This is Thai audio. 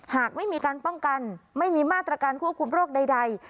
หากไม่มีการป้องกันไม่มีมาตรการควบคุมโรคใด